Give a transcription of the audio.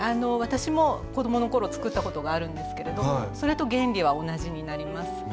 私も子供の頃作ったことがあるんですけれどそれと原理は同じになります。